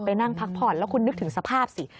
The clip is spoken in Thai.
นั่งพักผ่อนแล้วคุณนึกถึงสภาพสิ